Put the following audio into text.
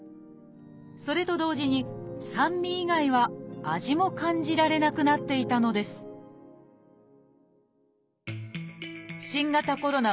それと同時に酸味以外は味も感じられなくなっていたのです新型コロナ